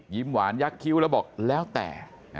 หวานยักษ์คิ้วแล้วบอกแล้วแต่